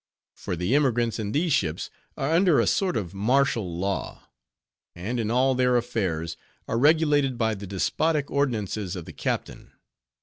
For the emigrants in these ships are under a sort of martial law; and in all their affairs are regulated by the despotic ordinances of the captain.